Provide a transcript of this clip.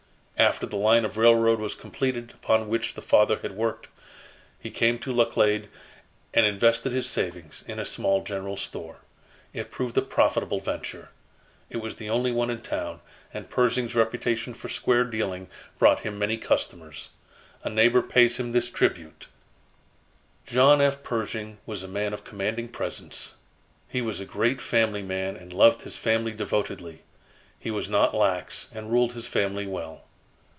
After the line of railroad was completed upon which the father had worked, he came to Laclede and invested his savings in a small general store. It proved a profitable venture. It was the only one in town, and Pershing's reputation for square dealing brought him many customers. A neighbor pays him this tribute: "John F. Pershing was a man of commanding presence. He was a great family man and loved his family devotedly. He was not lax, and ruled his family well.